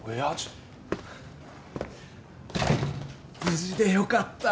無事でよかった！